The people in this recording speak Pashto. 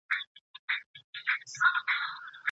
ولي محنتي ځوان د لایق کس په پرتله ښه ځلېږي؟